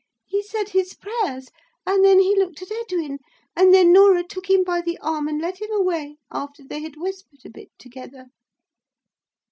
He said his prayers. And then he looked at Edwin. And then Norah took him by the arm and led him away, after they had whispered a bit together."